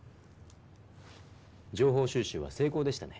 情報収集は成功でしたね。